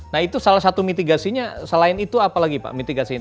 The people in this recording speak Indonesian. nah itu salah satu mitigasinya selain itu apa lagi pak mitigasi ini